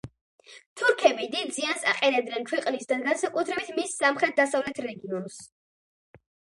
თურქები დიდ ზიანს აყენებდნენ ქვეყნის და განსაკუთრებით მის სამხრეთ-დასავლეთ რეგიონს.